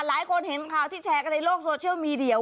หลายคนเห็นข่าวที่แชร์กันในโลกโซเชียลมีเดีย